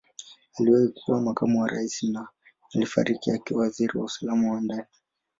Aliwahi kuwa Makamu wa Rais na alifariki akiwa Waziri wa Usalama wa Ndani.